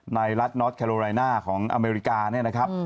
รัฐน็อตแคโรไรน่าของอเมริกาเนี่ยนะครับ